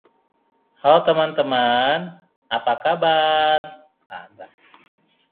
It is the third-largest Hispanic market in the nation.